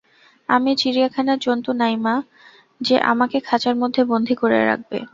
আমি চিড়িয়াখানার জন্তু নাই মা, যে, আমাকে খাঁচার মধ্যে বন্দি করে রাখবে।